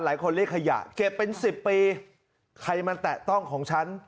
เรียกขยะเก็บเป็นสิบปีใครมาแตะต้องของฉัน